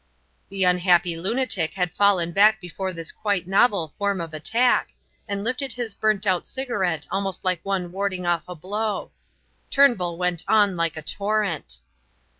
The unhappy lunatic had fallen back before this quite novel form of attack, and lifted his burnt out cigarette almost like one warding off a blow. Turnbull went on like a torrent.